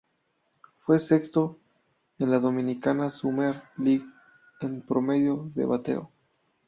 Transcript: Fue sexto en la Dominican Summer League en promedio de bateo.